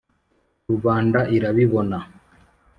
Rubanda irabibona